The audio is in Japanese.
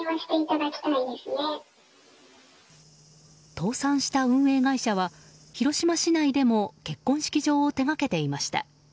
倒産した運営会社は広島市内でも結婚式場を手掛けていました。